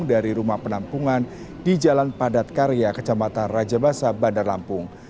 dari rumah penampungan di jalan padat karya kecamatan raja basa bandar lampung